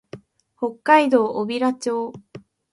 北海道小平町